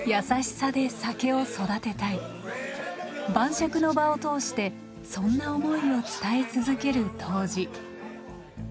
晩酌の場を通してそんな思いを伝え続ける杜氏。